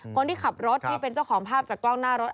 คนที่ขับรถที่เป็นเจ้าของภาพจากกล้องหน้ารถ